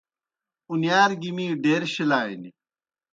اُنِیار گیْ می ڈیر شِلانیْ۔